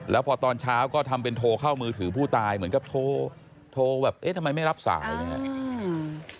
แล้วพอตอนเช้าก็ทำเป็นโทรเข้ามือถือผู้ตายเหมือนกับโทรแบบเอ๊ะทำไมไม่รับสายอะไรอย่างนี้